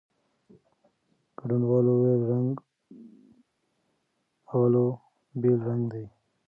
ګډونوالو وویل، رنګ "اولو" بېل رنګ دی.